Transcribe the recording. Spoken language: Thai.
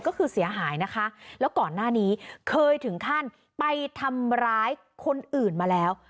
ก็คือเสียหายนะคะแล้วก่อนหน้านี้เคยถึงขั้นไปทำร้ายคนอื่นมาแล้ว